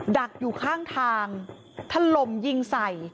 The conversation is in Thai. ดักอยู่ข้างทางถล่มยิงใส่